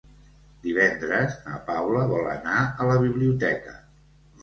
Divendres na Paula vol anar a la biblioteca.